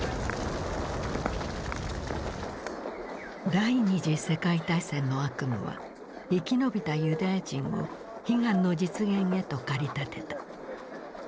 第二次世界大戦の悪夢は生き延びたユダヤ人を悲願の実現へと駆り立てた。